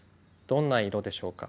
どんな色でしょうか？